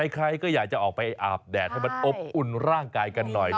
ใครก็อยากจะออกไปอาบแดดให้มันอบอุ่นร่างกายกันหน่อย